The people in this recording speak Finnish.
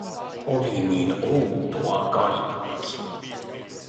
Oli niin outoa kaikki.